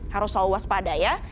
harus selalu waspada ya